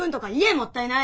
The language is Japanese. もったいない！